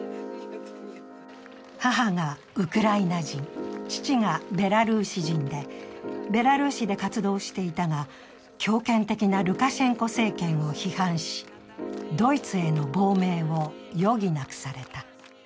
母がウクライナ人、父がベラルーシ人でベラルーシで活動していたが、強権的なルカシェンコ政権を批判し、ドイツへの亡命を余儀なくされた。